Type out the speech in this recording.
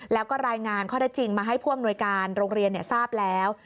แล้วก็รายงานข้อได้จริงมาให้ผู้อำนวยการโรงเรียนทราบแล้ว